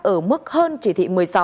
ở mức hơn chỉ thị một mươi sáu